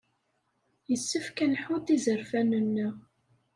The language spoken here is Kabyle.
Yessefk ad nḥudd izerfan-nneɣ.